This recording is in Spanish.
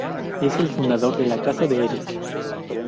Es el fundador de la Casa de Erik.